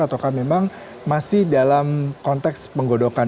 ataukah memang masih dalam konteks penggodokan